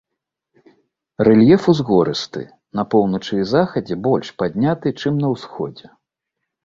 Рэльеф узгорысты, на поўначы і захадзе больш падняты, чым на ўсходзе.